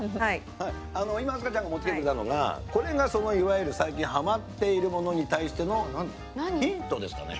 今、明日香ちゃんが持ってきてくれたのがこれが、そのいわゆる最近ハマっているものに対してのヒントですかね。